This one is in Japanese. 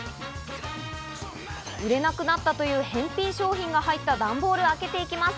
売れなくなったという返品商品が入った段ボールを開けていきます。